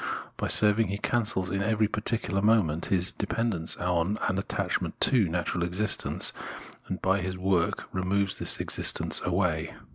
By serving he cancels in every particular moment his dependence on and attachment to natural existence, and by his work removes this existence away.